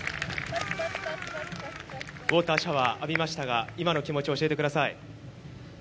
ウォーターシャワーを浴びましたが、今の気持ちを教えてください。